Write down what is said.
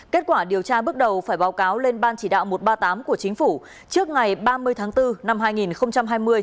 kết quả điều tra bước đầu phải báo cáo lên ban chỉ đạo một trăm ba mươi tám của chính phủ trước ngày ba mươi tháng bốn năm hai nghìn hai mươi